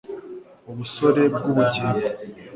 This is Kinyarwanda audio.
Ubusore bwubugingo